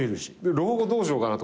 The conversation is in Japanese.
老後どうしようかなとか。